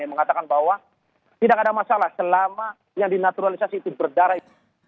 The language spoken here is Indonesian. yang mengatakan bahwa tidak ada masalah selama yang dinaturalisasi itu berdarah